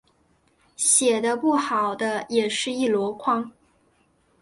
写的不好的也是一箩筐